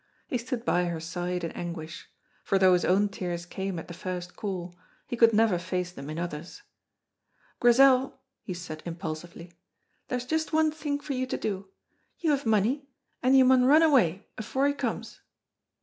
He stood by her side in anguish; for though his own tears came at the first call, he could never face them in others. "Grizel," he said impulsively, "there's just one thing for you to do. You have money, and you maun run away afore he comes!"